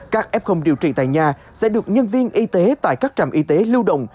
các f điều trị tại nhà sẽ được nhân viên y tế tại các trạm y tế lưu động